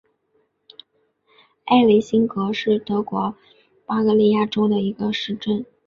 埃雷辛格是德国巴伐利亚州的一个市镇。